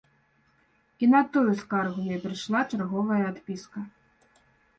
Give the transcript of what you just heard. І на тую скаргу ёй прыйшла чарговая адпіска.